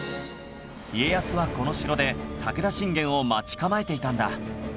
家康はこの城で武田信玄を待ち構えていたんだ